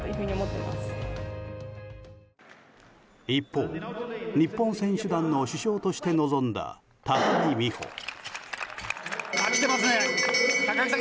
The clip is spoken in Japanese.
一方、日本選手団の主将として臨んだ高木美帆。